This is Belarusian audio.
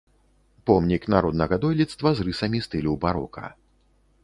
Помнік народнага дойлідства з рысамі стылю барока.